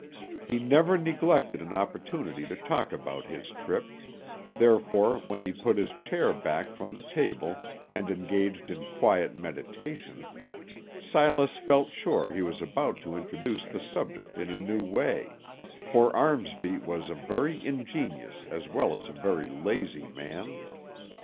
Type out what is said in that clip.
He never neglected an opportunity to talk about his trip, therefore when he put his chair back from the table, and engaged in quiet meditation, Silas felt sure he was about to introduce the subject in a new way; for Armsby was a very ingenious as well as a very lazy man.